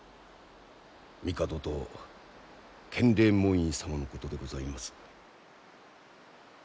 帝と建礼門院様のことでございます。